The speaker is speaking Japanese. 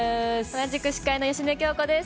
同じく司会の芳根京子です。